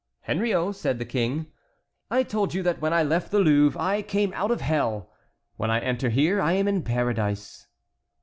"Henriot," said the King, "I told you that when I left the Louvre I came out of hell. When I enter here I am in paradise."